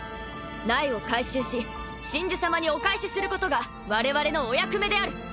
苗を回収し神樹様にお返しすることが我々のお役目である。